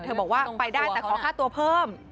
บอกว่าไปได้แต่ขอค่าตัวเพิ่ม